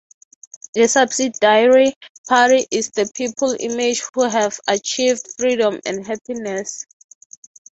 The subsidiary party is the people image who have achieved freedom and happiness.